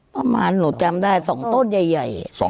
ประมาณหนูจำได้๒ต้นใหญ่